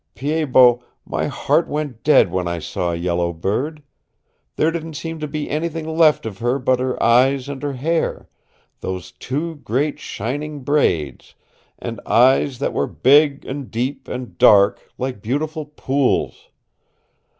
Pied Bot, my heart went dead when I saw Yellow Bird. There didn't seem to be anything left of her but her eyes and her hair those two great, shining braids, and eyes that were big and deep and dark, like beautiful pools.